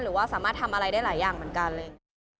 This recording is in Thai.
หรือว่าสามารถทำอะไรได้หลายอย่างเหมือนกันเลย